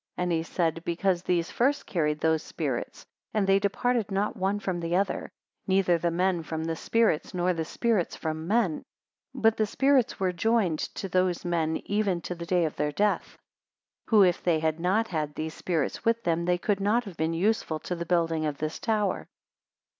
And he said, Because these first carried those spirits, and they departed not one from the other, neither the men from the spirits, nor the spirits from the men: 149 But the spirits were joined to those men even to the day of their death; who if they had not had these spirits with them, they could not have been useful to the building of this tower.